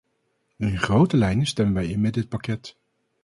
In grote lijnen stemmen wij in met dit pakket.